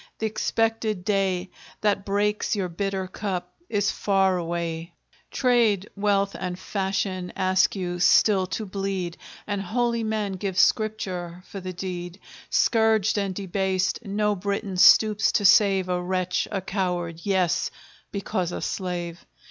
th' expected day That breaks your bitter cup is far away; Trade, wealth, and fashion ask you still to bleed, And holy men give Scripture for the deed; Scourged and debased, no Briton stoops to save A wretch, a coward yes, because a slave!